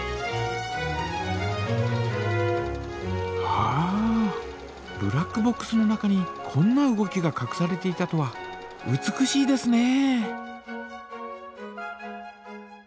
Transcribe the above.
はあブラックボックスの中にこんな動きがかくされていたとは美しいですね！